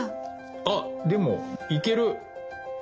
あでも行ける！